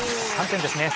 ３点ですね。